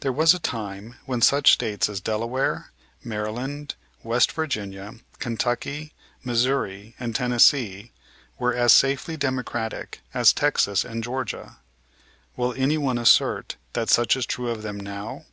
There was a time when such States as Delaware, Maryland, West Virginia, Kentucky, Missouri, and Tennessee were as safely Democratic as Texas and Georgia. Will anyone assert that such is true of them now?